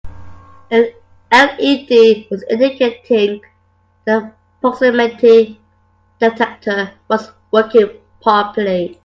An LED was indicating the proximity detector was working properly.